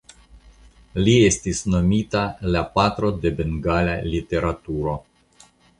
Li estis nomita la "Patro de Bengala literaturo".